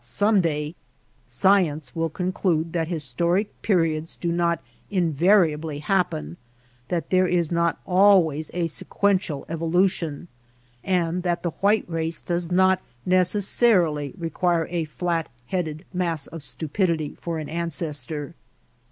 some day Science will conclude that historic periods do not invariably happen, that there is not always a sequential evolution, and that the white race does not necessarily require a flat headed mass of stupidity for an ancestor.